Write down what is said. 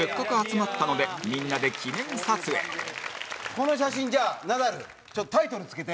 この写真じゃあナダルちょっとタイトル付けて！